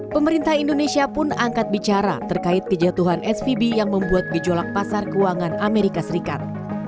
pemerintah indonesia pun angkat bicara terkait kejatuhan svb yang membuat gejolak pasar keuangan amerika serikat